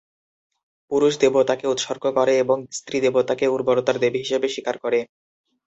পুরুষ দেবতাকে উৎসর্গ করে এবং স্ত্রী দেবতাকে উর্বরতার দেবী হিসেবে স্বীকার করে।